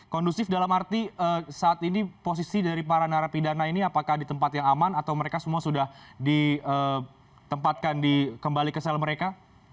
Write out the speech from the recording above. kondusif dalam arti saat ini posisi dari para narapidana ini apakah di tempat yang aman atau mereka semua sudah ditempatkan kembali ke sel mereka